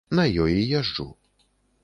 На ёй і езджу.